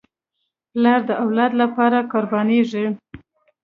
پلار د اولاد لپاره قربانېږي.